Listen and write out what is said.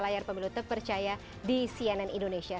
layar pemilu terpercaya di cnn indonesia